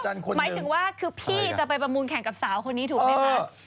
หมายถึงว่าคือพี่จะไปประมูลแข่งกับสาวคนนี้ถูกไหมคะ